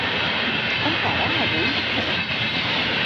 On para, avui?